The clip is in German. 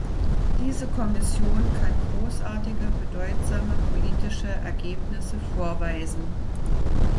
Diese Kommission kann großartige, bedeutsame politische Ergebnisse vorweisen.